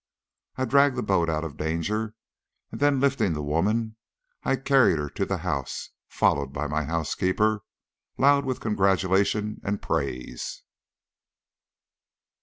I dragged the boat out of danger, and then lifting up the woman I carried her to the house, followed by my housekeeper, loud with congratulation and praise.